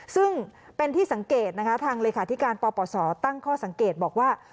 ซึ่งเป็นที่สังเกตนะคะทางเลขาธิการปปศตั้งข้อสังเกตบอกว่า